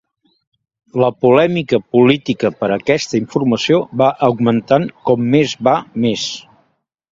La polèmica política per aquesta informació va augmentant com més va més.